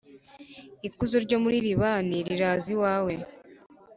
ikuzo ryo muri libani rizaza iwawe,